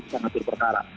bisa mengatur perkara